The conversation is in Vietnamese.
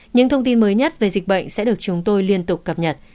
những thông tin mới nhất về dịch bệnh sẽ được chúng tôi liên tục cập nhật